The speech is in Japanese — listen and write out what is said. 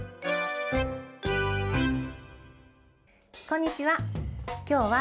こんにちは。